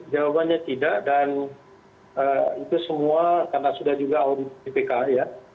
jawabannya tidak dan itu semua karena sudah juga awal di ppk ya